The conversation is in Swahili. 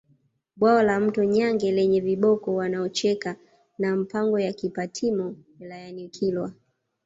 Bwawa la Mto Nyange lenye viboko wanaocheka na mapango ya Kipatimo wilayani Kilwa